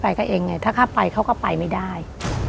เองไงถ้าข้าไปเขาก็ไปไม่ได้